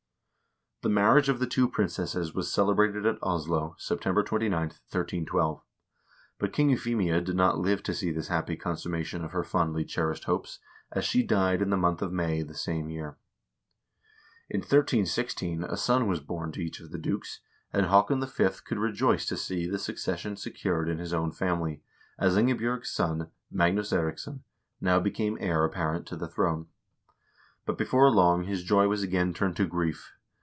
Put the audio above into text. The marriage of the two princesses was celebrated at Oslo, September 29, 1312 ; but Queen Euphemia did not live to see this happy consum mation of her fondly cherished hopes, as she died in the month of May the same year. In 1316 a son was born to each of the dukes, and Haakon V. could rejoice to see the succession secured in his own family, as Ingebj0rg's son, Magnus Eiriksson, now became heir apparent to the throne. But before long his joy was again turned to grief.